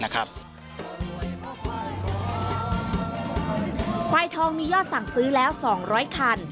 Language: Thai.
ควายทองมียอดสั่งซื้อแล้ว๒๐๐คัน